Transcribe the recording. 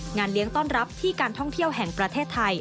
งานเลี้ยงต้อนรับที่การท่องเที่ยวแห่งประเทศไทย